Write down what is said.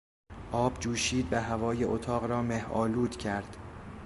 آب جوشید و هوای اتاق را مهآلود کرد.